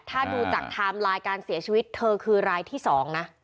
ถ้าดูจากไทม์ไลน์การเสียชีวิตเธอคือรายที่๒นะ